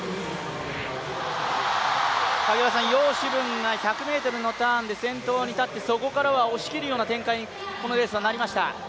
葉詩文が１００ｍのターンで先頭に立って、そこからは押し切るような展開にこのレースはなりました。